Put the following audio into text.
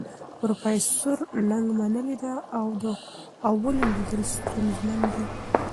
پروفیسور نګ منلې ده، د اولو لیدل ستونزمن دي.